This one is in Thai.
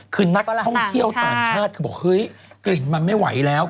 คือนักท่องเที่ยวต่างชาติคือบอกเฮ้ยกลิ่นมันไม่ไหวแล้ว